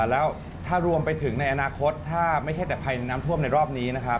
แล้วถ้ารวมไปถึงในอนาคตถ้าไม่ใช่แต่ภัยน้ำท่วมในรอบนี้นะครับ